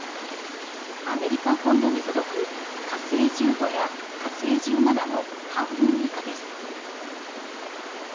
アメリカ本土に届く「火星１５」や「火星１７」の半分以下です。